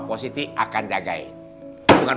pak siti akan jagain